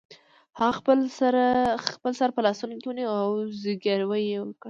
هغه خپل سر په لاسونو کې ونیو او زګیروی یې وکړ